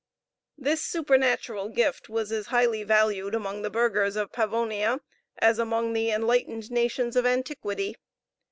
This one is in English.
This supernatural gift was as highly valued among the burghers of Pavonia as among the enlightened nations of antiquity.